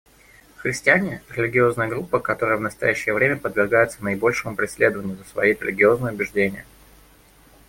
Христиане — религиозная группа, которая в настоящее время подвергается наибольшему преследованию за свои религиозные убеждения.